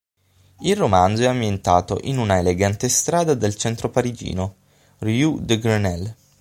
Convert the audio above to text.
Il romanzo è ambientato in una elegante strada del centro parigino: Rue de Grenelle.